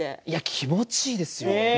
気持ちいいですよ